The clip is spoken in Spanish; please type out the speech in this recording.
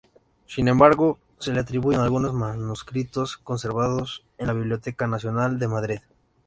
Sin embargo, se le atribuyen algunos manuscritos conservados en la Biblioteca Nacional de Madrid.